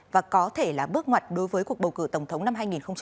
và có thể là bước ngoặt đối với cuộc bầu cử tổng thống năm hai nghìn hai mươi